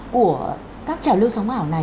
của các trào lưu sống ảo này